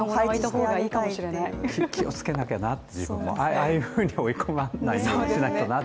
気をつけなきゃな、自分もと、ああいうふうに追い込まないようにしないとなと。